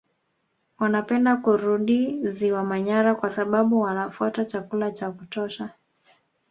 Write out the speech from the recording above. Wanapenda kurudi Ziwa Manyara kwa sababu wanafuata chakula cha kutosha